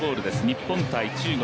日本×中国。